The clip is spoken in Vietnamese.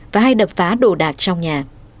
và hay đập phá đồ đạc trong nhà